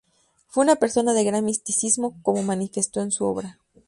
Fue una persona de gran misticismo, como manifestó en su obra.